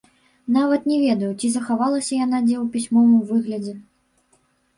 Нават не ведаю, ці захавалася яна дзе ў пісьмовым выглядзе.